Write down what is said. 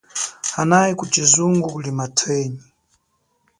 Hanayi kushizungu kuli mathenyi.